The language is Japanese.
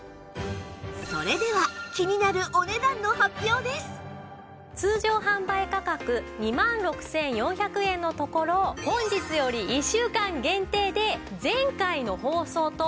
それでは気になる通常販売価格２万６４００円のところ本日より１週間限定で前回の放送とお値段